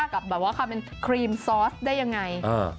กับเวลาใครมันคลีมซอสได้ยังไง